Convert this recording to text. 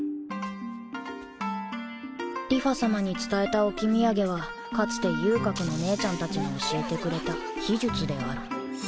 梨花さまに伝えた置き土産はかつて遊郭の小姐たちが教えてくれた秘術である